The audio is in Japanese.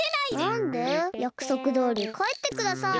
やくそくどおりかえってください。